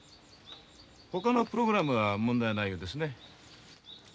ほかのプログラムは問題ないようですね。